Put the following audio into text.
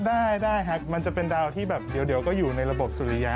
คือก็ได้มันจะเป็นดาวที่เดี๋ยวก็อยู่ในระบบศุลิยะ